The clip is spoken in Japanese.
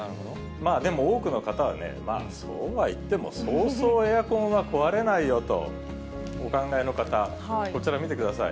でも、多くの方はね、そうはいっても、そうそうエアコンは壊れないよとお考えの方、こちら見てください。